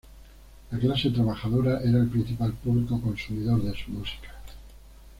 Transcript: La clase trabajadora era el principal público consumidor de su música.